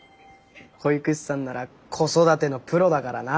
保育士さんなら子育てのプロだからな。